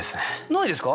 ないですか？